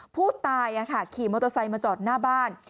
ผู้ตายขี่มอเตอร์ไซค์มาจอดหน้าบ้าน